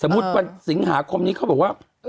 สมมุติวันสิงหาคมนี้เขาบอกว่า